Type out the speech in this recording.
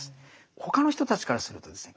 他の人たちからするとですね